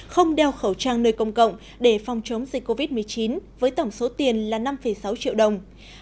không đeo khẩu trang nơi công cộng để phòng chống dịch covid một mươi chín với tổng số tiền là năm sáu triệu đồng